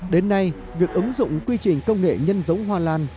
đến nay việc ứng dụng quy trình công nghệ nhân giống hoa lan